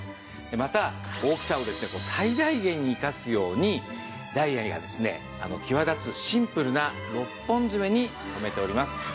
また大きさを最大限に生かすようにダイヤがですね際立つシンプルな６本爪に留めております。